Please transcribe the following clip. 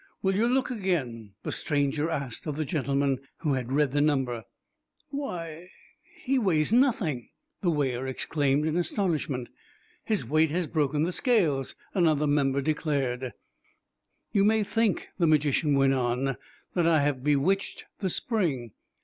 "Will you look again?" the stranger asked of the gentleman who had read the number. "Why, he weighs nothing!" the weigher exclaimed, in astonishment. "His weight has broken the scales," another member declared. "You may think," the magician went on, "that I have bewitched the spring.